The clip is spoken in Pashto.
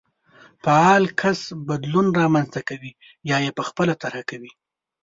فعال کس بدلون رامنځته کوي يا يې خپله طرحه کوي.